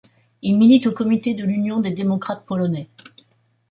Il milite au Comité de l'Union des démocrates polonais.